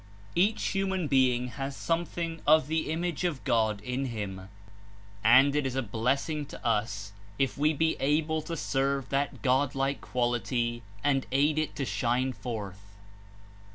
Each human being has something of the "Image of God" In him, and It Is a blessing to us If we be able to serve that God like quality and aid It to shine forth.